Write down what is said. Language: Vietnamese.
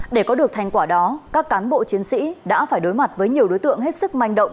để có được thành quả đó các cán bộ chiến sĩ đã phải đối mặt với nhiều đối tượng hết sức manh động